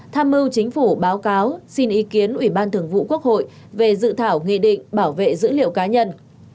tham mưu chính phủ báo cáo xin ý kiến ủy ban thường vụ quốc hội về dự thảo nghị định bảo vệ dữ liệu cá nhân